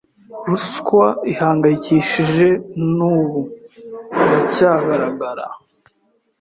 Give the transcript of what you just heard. ruswa ihangayikishije n’ubu iracyagaragara